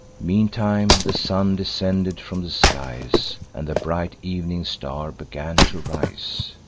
Meantime the sun descended from the skies, And the bright evening star began to rise.